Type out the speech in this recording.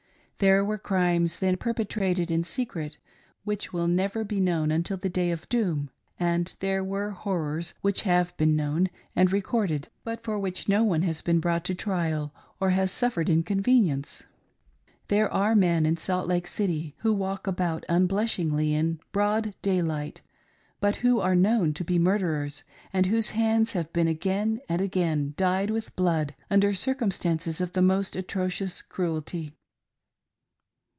There were crimes then perpetrated in secret which will never J38 THE MURDER OF DOCTOR ROBINSON. be known until the Day of Doom ; and there were horrors which have been known and recorded, but for which no one has been brought to trial or has suffered inconvenience. There are men in Salt Lake City, who walk about unblush ingly in broad daylight, but who are known to be murderers, and whose hands have been again and again dyed with blood under circumstances of the most atrocious cruelty.